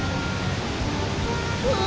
うわ！